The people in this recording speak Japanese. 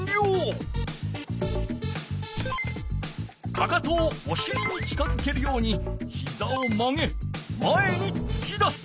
かかとをおしりに近づけるようにひざを曲げ前につき出す。